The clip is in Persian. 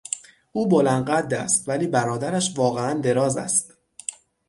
او بلند قد است ولی برادرش واقعا دراز است.